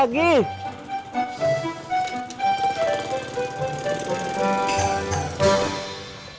kalau ngebalik lagi